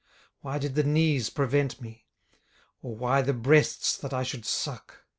18:003:012 Why did the knees prevent me? or why the breasts that I should suck?